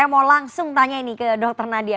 saya mau langsung tanya ini ke dr nadia